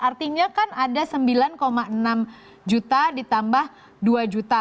artinya kan ada sembilan enam juta ditambah dua juta